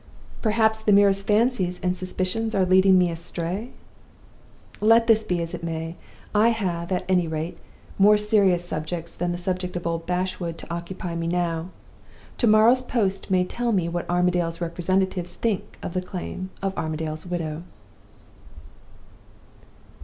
Perhaps the merest fancies and suspicions are leading me astray? Let this be as it may, I have, at any rate, more serious subjects than the subject of old Bashwood to occupy me now. Tomorrow's post may tell me what Armadale's representatives think of the claim of Armadale's widow."